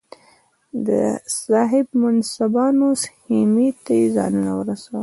د صاحب منصبانو خېمې ته یې ځانونه ورسول.